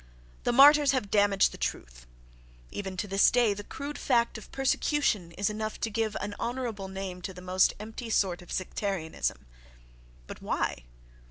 The martyrs have damaged the truth.... Even to this day the crude fact of persecution is enough to give an honourable name to the most empty sort of sectarianism.—But why?